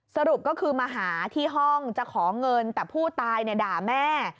สรุปก็คือมาหาที่ห้องจะขอเงินแต่ผู้ตายด่าแม่